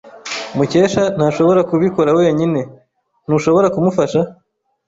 Mukesha ntashobora kubikora wenyine. Ntushobora kumufasha?